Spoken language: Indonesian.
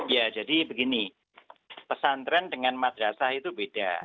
ya jadi begini pesantren dengan madrasah itu beda